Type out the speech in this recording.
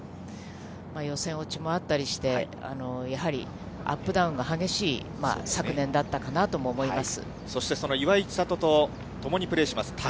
予選落ちもあったりして、やはりアップダウンが激しい昨年だったかなとも思います。